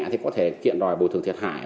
thì có thể kiện đòi bồi thường thiệt hại